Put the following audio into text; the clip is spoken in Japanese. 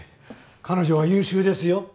彼女は優秀ですよ。